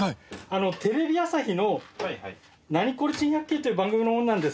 テレビ朝日の『ナニコレ珍百景』という番組の者なんですが。